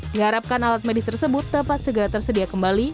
diharapkan alat medis tersebut dapat segera tersedia kembali